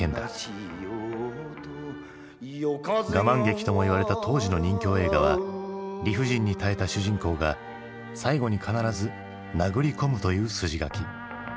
「ガマン劇」ともいわれた当時の任侠映画は理不尽に耐えた主人公が最後に必ず殴り込むという筋書き。